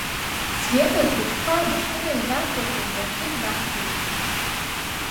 Света лхәыҷқәа амашьына инақәлыртәан, ларгьы днақәтәеит.